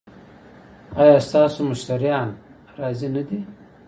ایا ستاسو مشتریان راضي نه دي؟